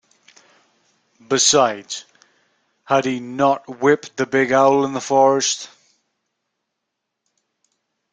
Besides, had he not whipped the big owl in the forest.